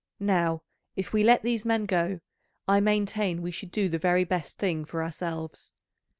Now if we let these men go, I maintain we should do the very best thing for ourselves.